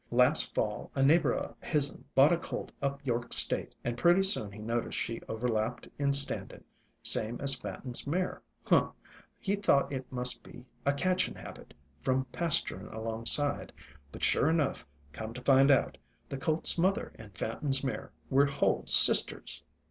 Last fall a neighbor o' his'n bought a colt up York state, and pretty soon he noticed she overlapped in standin', same as Fanton's mare. Huh! he thought it must be a catchin' habit, from pasturin' alongside; but sure enough, come to find out, the colt's mother and Fanton's mare were whole sisters!"